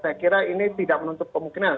saya kira ini tidak menutup kemungkinan